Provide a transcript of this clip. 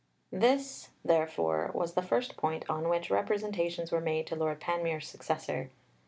This, therefore, was the first point on which representations were made to Lord Panmure's successor.